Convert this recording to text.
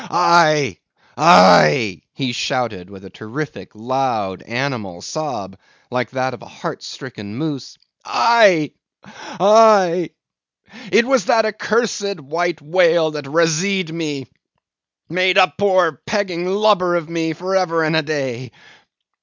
Aye, aye," he shouted with a terrific, loud, animal sob, like that of a heart stricken moose; "Aye, aye! it was that accursed white whale that razed me; made a poor pegging lubber of me for ever and a day!"